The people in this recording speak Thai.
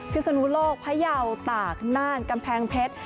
พิสนุโลกพระเยาตากน่านกำแพงเพชร